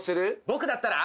僕だったら？